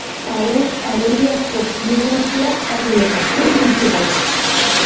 Haren alegiazko biografiak harri eta zur utzi gaitu!